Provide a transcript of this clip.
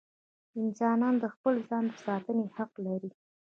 انسانان د خپل ځان د ساتنې حق لري.